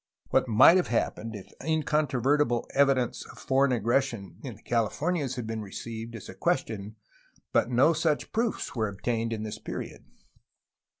What might have happened if incontrovertible evidences of foreign aggression in the Californias had been received is a question, but no such proofs were obtained in this period.